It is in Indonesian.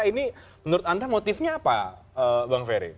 ini menurut anda motifnya apa bang ferry